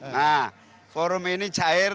nah forum ini cair